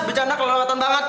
bercanda kelelatan banget